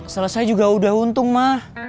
selesai juga udah untung mah